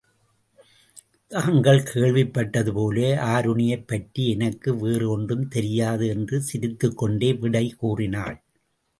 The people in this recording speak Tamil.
தாங்கள் கேள்விப் பட்டதுபோல ஆருணியைப் பற்றி எனக்கு வேறு ஒன்றும் தெரியாது என்று சிரித்துக் கொண்டே விடை கூறினாள்.